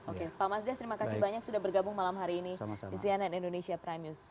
oke pak mas des terima kasih banyak sudah bergabung malam hari ini di cnn indonesia prime news